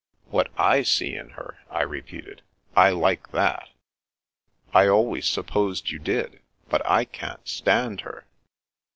" What / see in her? " I repeated. " I like that." " I always supposed you did. But I can't stand her."